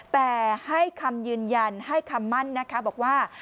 แต่ให้คำยืนยันให้คำมั่นนะคะบอกว่า